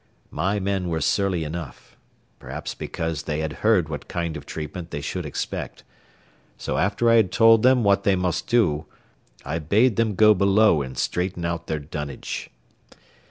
My men were surly enough, perhaps because they had heard what kind of treatment they should expect; so after I had told them what they must do, I bade them go below and straighten out their dunnage.